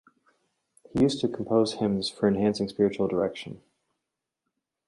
He used to compose hymns for enhancing spiritual direction.